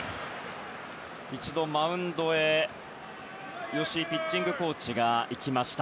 一度、マウンドへ吉井ピッチングコーチが行きました。